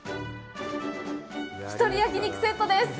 １人焼肉セットです。